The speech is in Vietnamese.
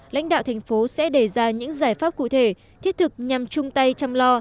lãnh đạo thành phố sẽ đề ra những giải pháp cụ thể thiết thực nhằm chung tay chăm lo